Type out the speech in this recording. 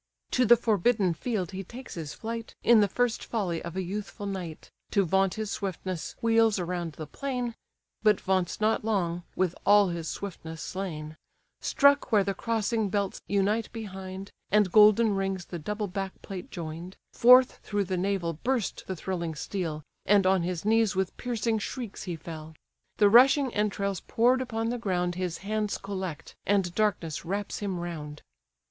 To the forbidden field he takes his flight, In the first folly of a youthful knight, To vaunt his swiftness wheels around the plain, But vaunts not long, with all his swiftness slain: Struck where the crossing belts unite behind, And golden rings the double back plate join'd Forth through the navel burst the thrilling steel; And on his knees with piercing shrieks he fell; The rushing entrails pour'd upon the ground His hands collect; and darkness wraps him round.